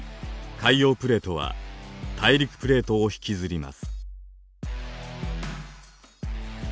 海洋プレートは大陸プレートを引きずります。